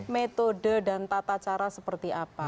metode dan tata cara seperti apa